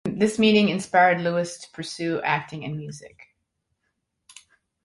This meeting inspired Lewis to pursue acting and music.